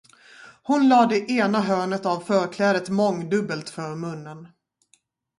Hon lade ena hörnet av förklädet mångdubbelt för munnen.